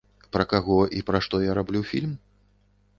Пра каго і пра што я раблю фільм?